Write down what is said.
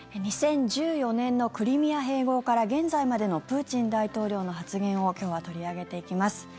２０１４年のクリミア併合から現在までのプーチン大統領の発言を今日は取り上げていきます。